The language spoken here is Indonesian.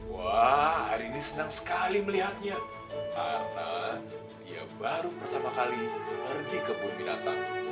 wah hari ini senang sekali melihatnya karena ia baru pertama kali pergi kebun binatang